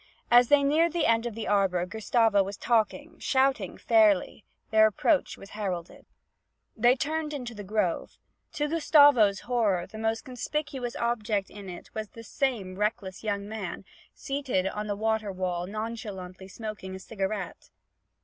As they neared the end of the arbour, Gustavo was talking shouting fairly; their approach was heralded. They turned into the grove. To Gustavo's horror the most conspicuous object in it was this same reckless young man, seated on the water wall nonchalantly smoking a cigarette.